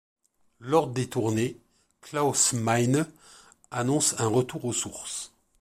Lors des tournées, Klaus Meine annonce un retour aux sources.